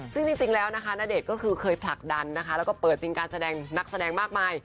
ซึ่งจริงแล้วนะคะณเดชน์ก็คือเคยผลักดันนะคะแล้วก็เปิดจริงการแสดงนักแสดงมากมาย